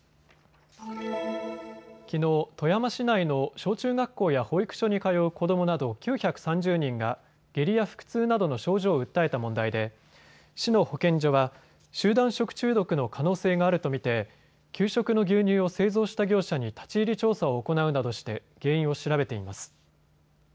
きのう富山市内の小中学校や保育所に通う子どもなど９３０人が下痢や腹痛などの症状を訴えた問題で市の保健所は集団食中毒の可能性があると見て給食の牛乳を製造した業者に立ち入り調査を行うなどして原因を調べています。